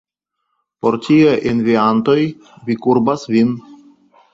Por tiuj enviantoj vi kurbas vin!